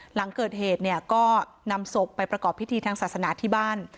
หลังเกิดเหตุเนี่ยก็นำศพไปประกอบพิธีทางศาสนาที่บ้าน